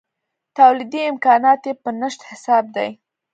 تولیدي امکانات یې په نشت حساب دي.